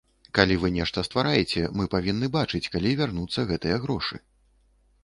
Калі вы нешта ствараеце, мы павінны бачыць, калі вернуцца гэтыя грошы.